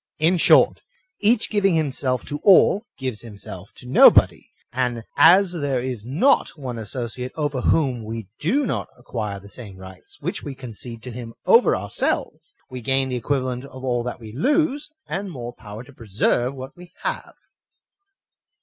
In short, each giving himself to all, gives himself to nobody; and as there is not one associate over whom we do not acquire the same rights which we concede to him over ourselves, we gain the equivalent of all that we lose, and more power to preserve what we have.